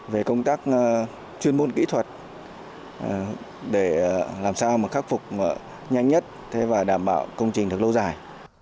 về công tác chuyên môn kỹ thuật để làm sao khắc phục nhanh nhất và đảm bảo công trình được lâu dài